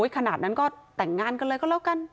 ขนาดนั้นก็แต่งงานกันเลยก็แล้วกัน